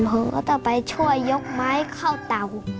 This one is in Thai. ผมก็ต้องไปช่วยยกไม้เข้าเต่า